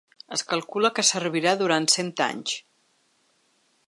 Es calcula que servirà durant cent anys.